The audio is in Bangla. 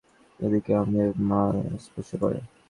যদি কেউ আমাদের মাল স্পর্শ করে।